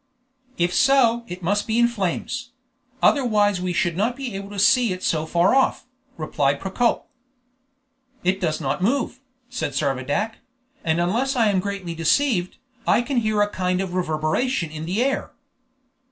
"If so, it must be in flames; otherwise we should not be able to see it so far off," replied Procope. "It does not move," said Servadac; "and unless I am greatly deceived, I can hear a kind of reverberation in the air."